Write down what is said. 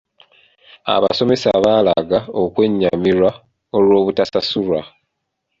Abasomesa baalaga okwennyamira olw'obutasasulwa.